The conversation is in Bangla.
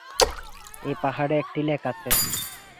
এই পাহাড়ে একটি লেক আছে।